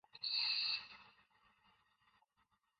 New pitches and courts have been constructed.